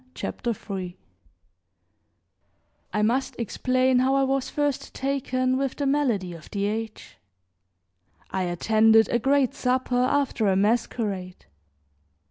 CHAPTER III I MUST explain how I was first taken with the malady of the age. I attended a great supper, after a masquerade.